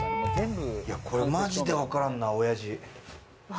これマジでわからんな、おやじ。